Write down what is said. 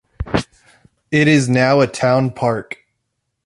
It is now a town park.